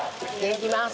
いきます。